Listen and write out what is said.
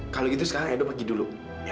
kalau gitu sekarang edo pergi dulu